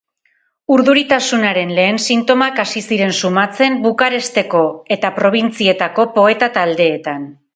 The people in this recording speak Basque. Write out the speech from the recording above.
Urduritasunaren lehen sintomak hasi ziren sumatzen Bukaresteko eta probintzietako poeta-taldeetan.